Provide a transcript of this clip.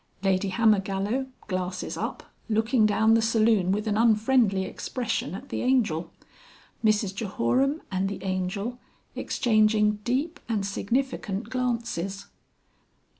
Lady Hammergallow (glasses up) looking down the saloon with an unfriendly expression at the Angel. Mrs Jehoram and the Angel exchanging deep and significant glances.